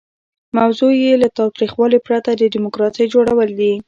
موضوع یې له تاوتریخوالي پرته د ډیموکراسۍ جوړول دي.